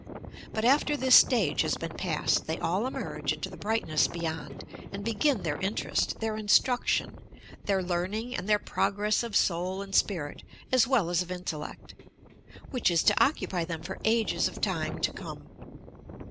But, after this stage has been passed, they all emerge into the brightness beyond, and begin their interest, their instruction, their learning and their progress of soul "WHAT HAPPENS AFTER DEATH! 305 and spirit, as well as of intellect, — which is to occupy them for ages of time to come.